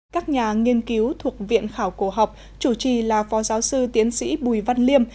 các nhà nghiên cứu thuộc viện khảo cổ học chủ trì là phó giáo sư tiến sĩ bùi văn liêm